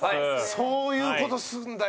そういう事するんだよ。